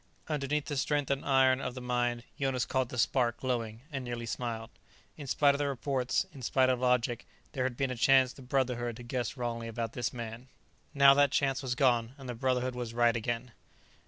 Underneath the strength and iron of the mind Jonas caught the spark glowing, and nearly smiled. In spite of the reports, in spite of logic, there had been a chance the Brotherhood had guessed wrongly about this man. Now that chance was gone, and the Brotherhood was right again.